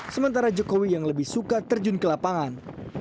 sementara jokowi yang lebih suka terjun ke lapangan